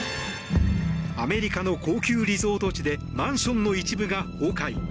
アメリカの高級リゾート地でマンションの一部が崩壊。